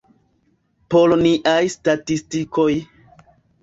Por niaj statistikoj.